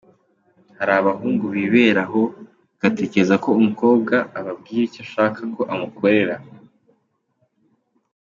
Hari abahungu bibera aho bagategereza ko umukobwa ababwira icyo ashaka ko amukorera.